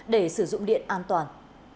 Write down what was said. để sử dụng điện an toàn